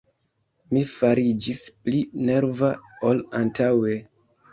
Mi fariĝis pli nerva ol antaŭe.